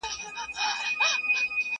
چي مغلوبه سي تیاره رڼا ځلېږي.